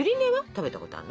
食べたことあるの？